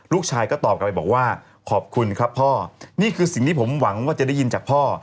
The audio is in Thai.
ลูกชายก็ตอบกลับไปบอกว่าขอบคุณครับพ่อนี่คือสิ่งที่ผมหวังว่าจะได้ยินจากพ่อ